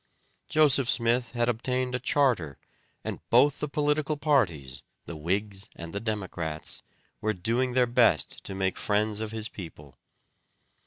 Joseph Smith had obtained a charter, and both the political parties, the Whigs and the Democrats, were doing their best to make friends of his people.